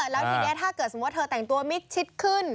แล้วทีนี้ถ้าเกิดสมมุติเธอแต่งตัวมิดชิดขึ้น